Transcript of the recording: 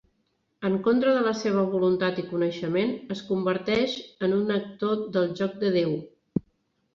En contra de la seva voluntat i coneixement, es converteix en un actor del "joc de Déu".